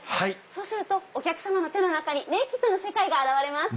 そうするとお客様の手の中にネイキッドの世界が現れます。